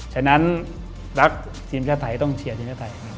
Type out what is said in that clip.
ฉะนั้นรักทีมชาติไทยต้องเชียร์ทีมชาติไทย